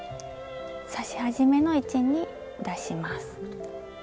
刺し始めの位置に出します。